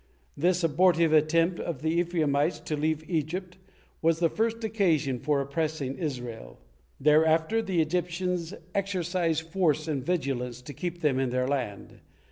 This abortive attempt of the Ephraimites to leave Egypt was the first occasion for oppressing Israel. Thereafter the Egyptians exercised force and vigilance to keep them in their land.